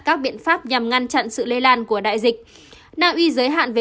các biện pháp nhằm ngăn chặn sự lây lan của đại dịch